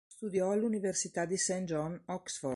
Studiò all'Università di St. John, Oxford.